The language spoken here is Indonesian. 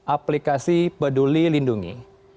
aplikasi peduli lindungi